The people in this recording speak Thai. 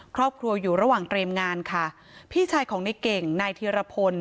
ครอบครัวอยู่ระหว่างเตรียมงานค่ะพี่ชายของในเก่งนายธีรพล